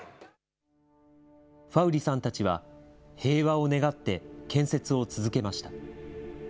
ファウリさんたちは、平和を願って、建設を続けました。